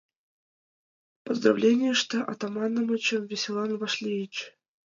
Подразделенийыште Атаманычым веселан вашлийыч.